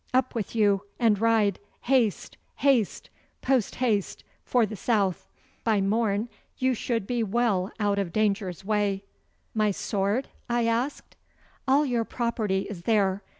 Up with you, and ride, haste, haste, post haste, for the south. By morn you should be well out of danger's way.' 'My sword?' I asked. 'All your property is there.